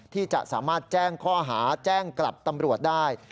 ที่จะสามารถแจ้งข้อหาแจ้งกลับตำรวจได้